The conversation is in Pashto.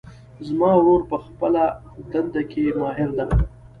زما ورور په خپلهدنده کې ماهر ده